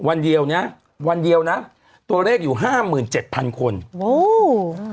วันเดียวเนี้ยวันเดียวนะตัวเลขอยู่ห้าหมื่นเจ็ดพันคนโอ้